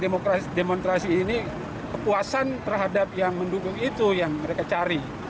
demonstrasi ini kepuasan terhadap yang mendukung itu yang mereka cari